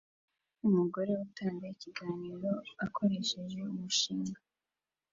Umugore utanga ikiganiro akoresheje umushinga